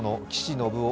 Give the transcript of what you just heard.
信夫